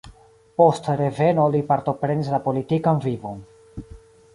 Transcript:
Post reveno li partoprenis la politikan vivon.